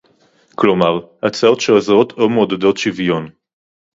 כלומר, הצעות שעוזרות או מעודדות שוויון